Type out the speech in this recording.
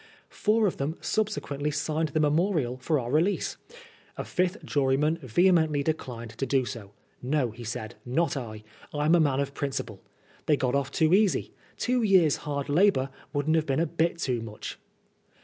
Four of them subsequently signed the memorial for our release. A fifth juryman vehemently declined to do so. " No," he said, not I. I'm a man of principle I They got off too easy. Two years' hard labor wouldn't have been a bit too much."